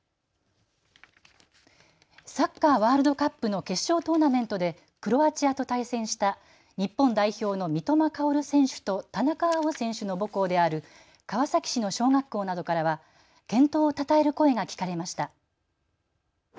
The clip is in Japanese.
サッカーワールドカップの決勝トーナメントでクロアチアと対戦した日本代表の三笘薫選手と田中碧選手の母校である川崎市の小学校などからは健闘をたたえる声が聞かれました。